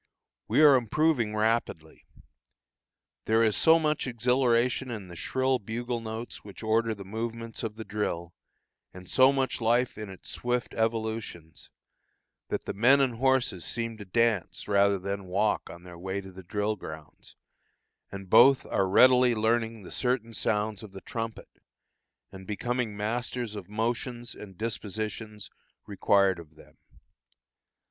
We are improving rapidly. There is so much exhilaration in the shrill bugle notes which order the movements of the drill, and so much life in its swift evolutions, that the men and horses seem to dance rather than walk on their way to the drill grounds, and both are readily learning the certain sounds of the trumpet, and becoming masters of motions and dispositions required of them.